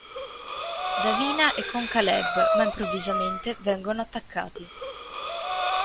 Davina è con Kaleb ma improvvisamente vengono attaccati.